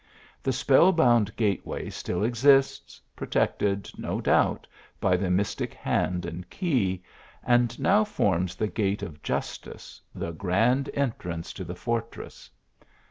The spell bound gateway still exists, protect ed, no doubt, by the mystic hand and key, and now forms the gate of justice, the grand entrance to the fortress.